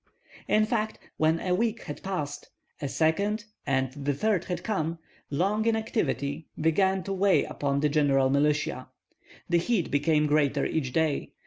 In fact, when a week had passed, a second, and the third had come, long inactivity began to weigh upon the general militia. The heat became greater each day.